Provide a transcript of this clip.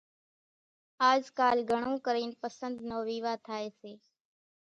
آزڪالِ گھڻون ڪرينَ پسنۮ نو ويوا ٿائيَ سي۔